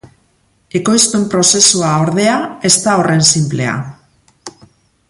Ekoizpen-prozesua, ordea, ez da horren sinplea.